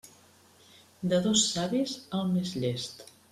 De dos savis, el més llest.